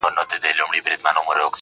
پاڅه چي ځو ترې ، ه ياره~